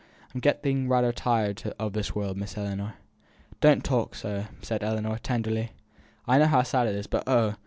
I'm getting rayther tired o' this world, Miss Ellinor." "Don't talk so," said Ellinor, tenderly. "I know how sad it is, but, oh!